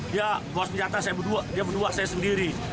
dia bawa senjata dia berdua saya sendiri